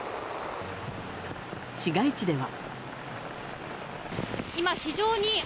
市街地では。